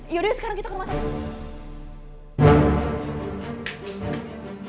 yaudah sekarang kita ke rumah sakit